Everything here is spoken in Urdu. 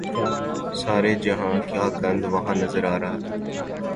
سارے جہان کا گند وہاں نظر آ رہا تھا۔